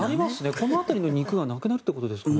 この辺りの肉がなくなるということですかね。